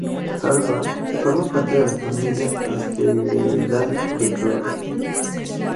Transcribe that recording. Harvard forma parte de la familia asteroidal de Flora.